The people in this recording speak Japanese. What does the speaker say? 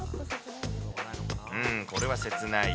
うーん、これは切ない。